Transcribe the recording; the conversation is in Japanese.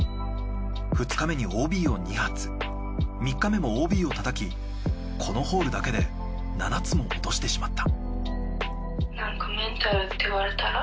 ２日目にＯＢを２発３日目もＯＢを叩きこのホールだけで７つも落としてしまった。